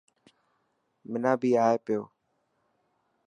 منا ٻي آئي پيو.